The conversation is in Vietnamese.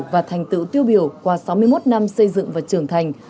và thành tựu tiêu biểu qua sáu mươi một năm xây dựng và trưởng thành